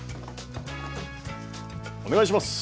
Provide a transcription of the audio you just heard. お願いします。